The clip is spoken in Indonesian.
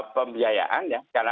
pembiayaan ya karena